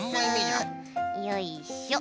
よいしょ。